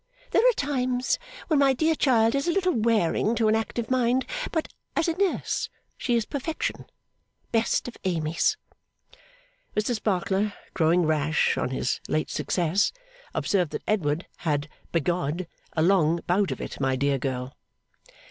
There are times when my dear child is a little wearing to an active mind; but, as a nurse, she is Perfection. Best of Amys!' Mr Sparkler, growing rash on his late success, observed that Edward had had, biggodd, a long bout of it, my dear girl.